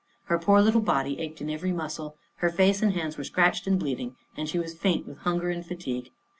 Her poor little body ached in every muscle, her face and hands were scratched and bleeding, and she was faint with hunger and fatigue.